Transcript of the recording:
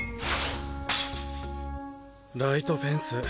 ライトフェンス